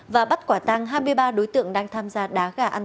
và bắt quả tăng hai mươi ba đối tượng đang tham gia đá gà ăn